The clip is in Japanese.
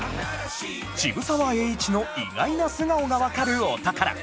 渋沢栄一の意外な素顔がわかるお宝